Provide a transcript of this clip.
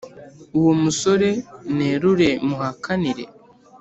uwo musore nerure muhakanire